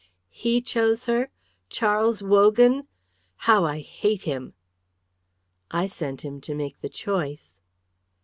"He chose her Charles Wogan. How I hate him!" "I sent him to make the choice."